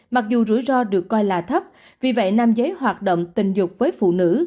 mặc dù rủi ro được coi là thấp vì vậy nam giới hoạt động tình dục với phụ nữ